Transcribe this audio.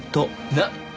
なっ？